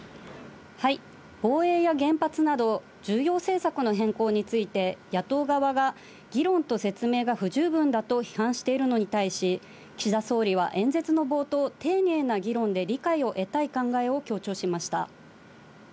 防衛や原発など、重要政策の変更について、野党側が議論と説明が不十分だと批判しているのに対し、岸田総理は演説の冒頭、丁寧な議論で理解を得たい考えを強調しました。